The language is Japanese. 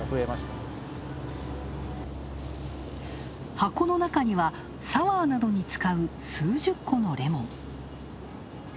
箱の中には、サワーなどに使う数十個のレモン。